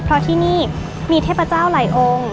เพราะที่นี่มีเทพเจ้าหลายองค์